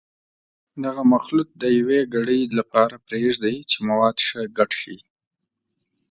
دغه مخلوط د یوې ګړۍ لپاره پرېږدئ چې مواد ښه ګډ شي.